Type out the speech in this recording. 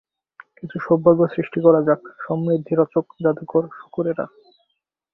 কিছু সৌভাগ্য সৃষ্টি করা যাক, সমৃদ্ধি-রচক জাদুর শুকরেরা!